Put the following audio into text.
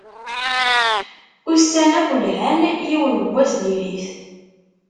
Ussan akk lhan, yiwen n wass dir-it.